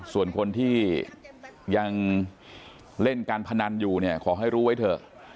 ส่วนคนที่ยังเล่นการพนันอยู่เนี่ยขอให้รู้ไว้เถอะ